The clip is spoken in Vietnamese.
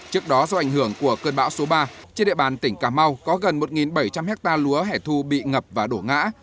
trước đó do ảnh hưởng của cơn bão số ba trên địa bàn tỉnh cà mau có gần một bảy trăm linh hectare lúa hẻ thu bị ngập và đổ ngã